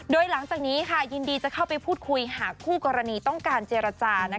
โดยหลังจากนี้ยินดีจะเข้าไปพูดคุยหากคู่กรณีต้องการเจรจา